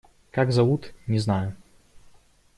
Как зовут, не знаю.